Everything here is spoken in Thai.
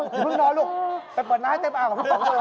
อย่าเพิ่งนอนลูกไปเปิดน้าเต็มอักหวัง